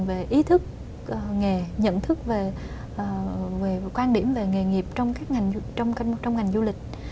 về ý thức nhận thức về quan điểm về nghề nghiệp trong ngành du lịch